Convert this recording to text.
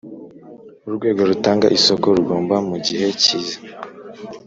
Urwego rutanga isoko rugomba mu gihe kiza